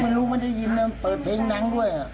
ไม่รู้ไม่ได้ยินนะเปิดเพลงหนังด้วย